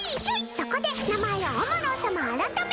そこで名前をオモロー様改め。